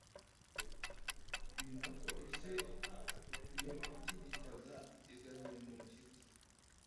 ni na ko isi yatigitaga igahinda umushyitsi